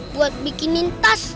buat bikinin tas